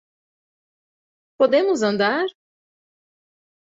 Podemos andar?